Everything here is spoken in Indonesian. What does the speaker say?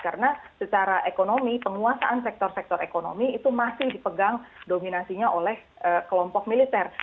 karena secara ekonomi penguasaan sektor sektor ekonomi itu masih dipegang dominasinya oleh kelompok militer